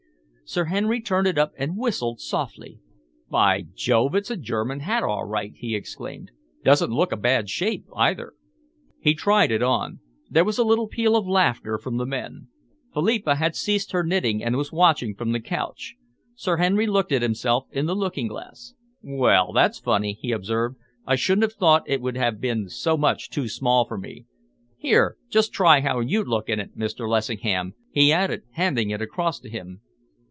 Sir Henry turned it up and whistled softly. "By Jove, it's a German hat, all right!" he exclaimed. "Doesn't look a bad shape, either." He tried it on. There was a little peal of laughter from the men. Philippa had ceased her knitting and was watching from the couch. Sir Henry looked at himself in the looking glass. "Well, that's funny," he observed. "I shouldn't have thought it would have been so much too small for me. Here, just try how you'd look in it, Mr. Lessingham," he added, handing it across to him.